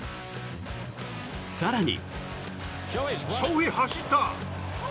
更に。